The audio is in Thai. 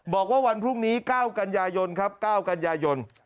บอกว่าวันพรุ่งนี้๙กันยายนครับ๙กันยายน